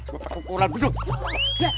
kau kagak kukulan berdua